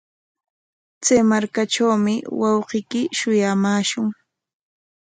Chay markatrawmi wawqiyki shuyamaashun.